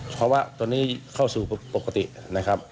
เพราะว่าตอนนี้เข้าสู่ปกตินะครับ